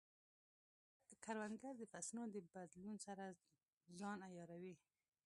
کروندګر د فصلونو د بدلون سره ځان عیاروي